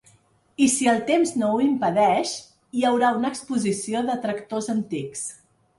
I si el temps no ho impedeix hi haurà una exposició de tractors antics.